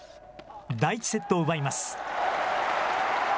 第１セットを奪います。